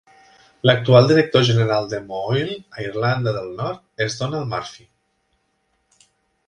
L'actual director general d'Emo Oil a Irlanda del Nord és Donal Murphy.